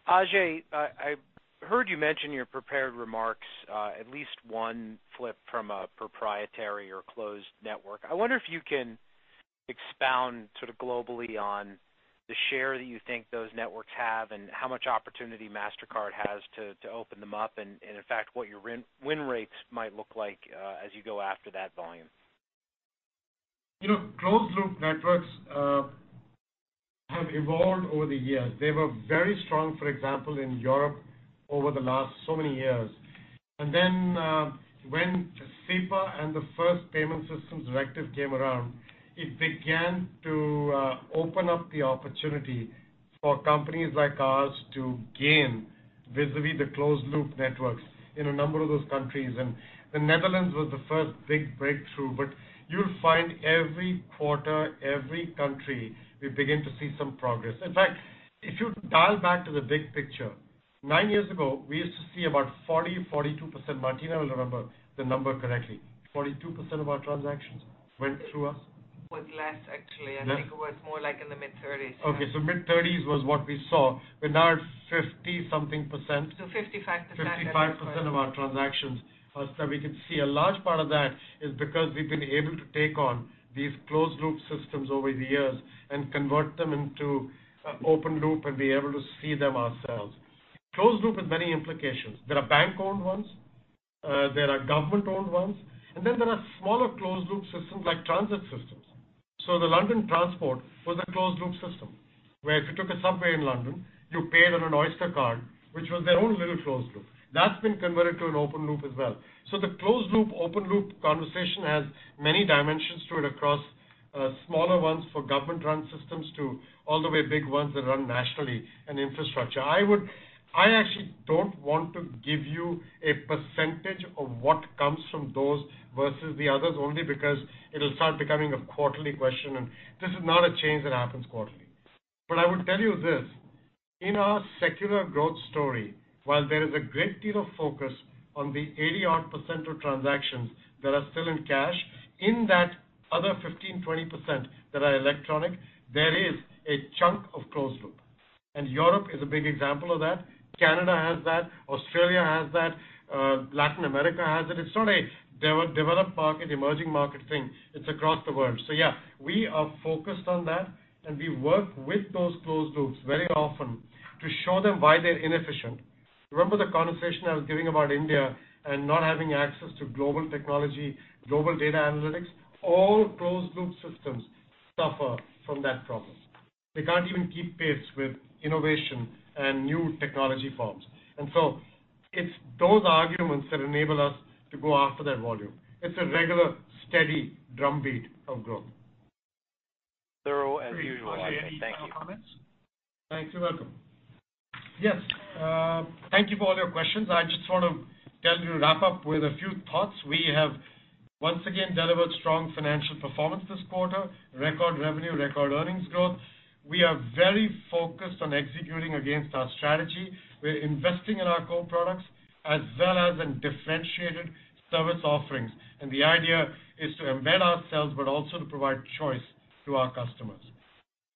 Ajay, I heard you mention your prepared remarks, at least one flip from a proprietary or closed network. I wonder if you can expound sort of globally on the share that you think those networks have and how much opportunity Mastercard has to open them up, and in fact, what your win rates might look like as you go after that volume. Closed loop networks have evolved over the years. They were very strong, for example, in Europe over the last so many years. Then, when SEPA and the first Payment Services Directive came around, it began to open up the opportunity for companies like ours to gain vis-a-vis the closed loop networks in a number of those countries. The Netherlands was the first big breakthrough. You'll find every quarter, every country, we begin to see some progress. In fact, if you dial back to the big picture. Nine years ago, we used to see about 40%, 42%. Martina will remember the number correctly. 42% of our transactions went through us? It was less, actually. Less? I think it was more like in the mid-30s. Okay. Mid-30s was what we saw. We're now at 50 something percent. 55% at this point. 55% of our transactions are. We could see a large part of that is because we've been able to take on these closed-loop systems over the years and convert them into open loop and be able to see them ourselves. Closed loop has many implications. There are bank-owned ones, there are government-owned ones, and then there are smaller closed-loop systems like transit systems. The London transport was a closed-loop system, where if you took a subway in London, you paid on an Oyster card, which was their own little closed loop. That's been converted to an open loop as well. The closed-loop, open-loop conversation has many dimensions to it across smaller ones for government-run systems to all the way big ones that run nationally and infrastructure. I actually don't want to give you a percentage of what comes from those versus the others, only because it'll start becoming a quarterly question, and this is not a change that happens quarterly. I would tell you this, in our secular growth story, while there is a great deal of focus on the 80% odd of transactions that are still in cash, in that other 15%, 20% that are electronic, there is a chunk of closed loop. Europe is a big example of that. Canada has that, Australia has that, Latin America has it. It's not a developed market, emerging market thing. It's across the world. Yeah, we are focused on that, and we work with those closed loops very often to show them why they're inefficient. Remember the conversation I was giving about India and not having access to global technology, global data analytics? All closed-loop systems suffer from that problem. They can't even keep pace with innovation and new technology forms. It's those arguments that enable us to go after that volume. It's a regular, steady drumbeat of growth. Thorough as usual, Ajay. Thank you. Great. Ajay, any final comments? Thanks. You're welcome. Yes. Thank you for all your questions. I just want to tell you to wrap up with a few thoughts. We have once again delivered strong financial performance this quarter, record revenue, record earnings growth. We are very focused on executing against our strategy. We're investing in our core products as well as in differentiated service offerings, and the idea is to embed ourselves but also to provide choice to our customers.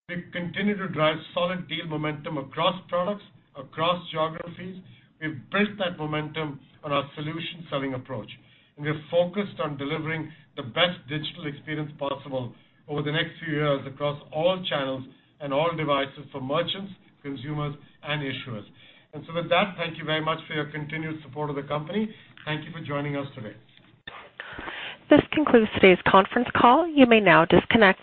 We continue to drive solid deal momentum across products, across geographies. We've built that momentum on our solution-selling approach, and we are focused on delivering the best digital experience possible over the next few years across all channels and all devices for merchants, consumers, and issuers. With that, thank you very much for your continued support of the company. Thank you for joining us today. This concludes today's conference call. You may now disconnect.